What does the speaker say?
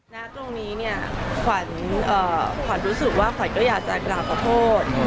ณตรงนี้เนี่ยขวัญรู้สึกว่าขวัญก็อยากจะกล่าวขอโทษ